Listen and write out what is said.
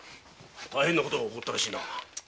大変なことが起こったらしいな。